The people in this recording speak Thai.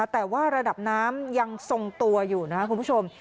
แต่ว่าระดับน้ำยังทรงตัวอยู่นะครับคุณผู้ชม